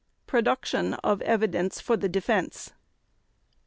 _Production of Evidence for the Defense.